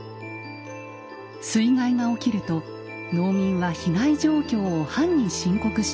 水害が起きると農民は被害状況を藩に申告していました。